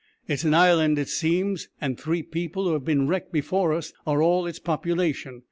It's an island, it seems, and three people who have been wrecked before us are all its population.